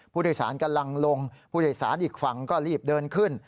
ผู้โดยสารกำลังลงผู้โดยสารอีกฝั่งก็รีบเดินขึ้น